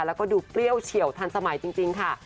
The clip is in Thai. แล้วก็ดูเปรี้ยวเฉียวทันสมัยจริงค่ะ